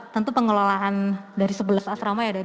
tentu pengelolaan dari sebelas asrama ya